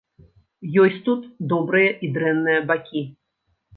Ёсць тут добрыя і дрэнныя бакі.